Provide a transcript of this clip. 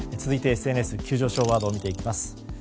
続いてＳＮＳの急上昇ワードを見ていきます。